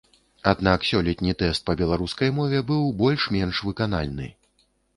Аднак сёлетні тэст па беларускай мове быў больш-менш выканальны.